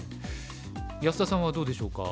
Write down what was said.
安田さんはどうでしょうか？